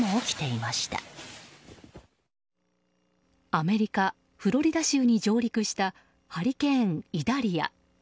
アメリカ・フロリダ州に上陸したハリケーン、イダリア。